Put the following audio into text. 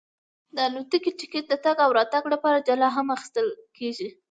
د الوتکې ټکټ د تګ او راتګ لپاره جلا هم اخیستل کېږي.